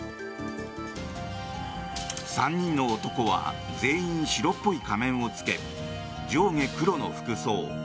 ３人の男は全員白っぽい仮面を着け上下黒の服装。